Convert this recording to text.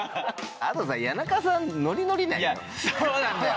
あとさ谷中さんノリノリなんよ。